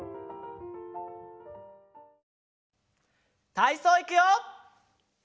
たいそういくよ！